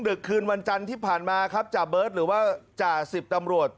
ดึกคืนวันจันทร์ที่ผ่านมาครับจ่าเบิร์ตหรือว่าจ่าสิบตำรวจ